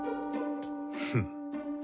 フン。